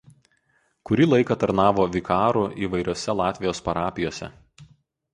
Kurį laiką tarnavo vikaru įvairiose Latvijos parapijose.